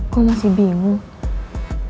gue masih bingung